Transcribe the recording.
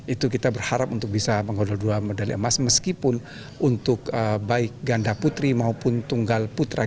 itu kita berharap untuk bisa mengodol dua medali emas meskipun untuk baik ganda putri maupun tunggal putra